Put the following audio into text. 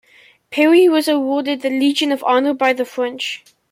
Perry was awarded the Legion of Honour by the French.